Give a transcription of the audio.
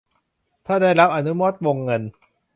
ถ้าได้รับอนุมัติวงเงิน